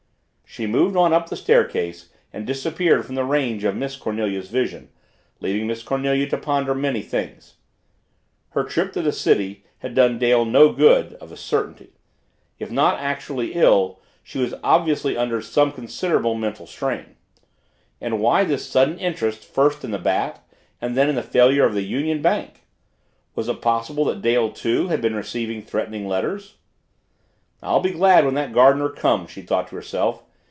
She moved on up the staircase and disappeared from the range of Miss Cornelia's vision, leaving Miss Cornelia to ponder many things. Her trip to the city had done Dale no good, of a certainty. If not actually ill, she was obviously under some considerable mental strain. And why this sudden interest, first in the Bat, then in the failure of the Union Bank? Was it possible that Dale, too, had been receiving threatening letters? I'll be glad when that gardener comes, she thought to herself.